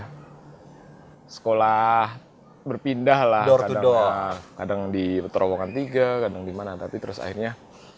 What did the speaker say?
di sekolah berpindah lah door to door kadang di petro tiga gandeng dimana tapi terus akhirnya